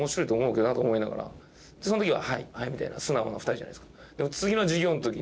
その時は「はいはい」みたいな素直な２人じゃないですか。